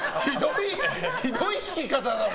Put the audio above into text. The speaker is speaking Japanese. ひどい聞き方だよ。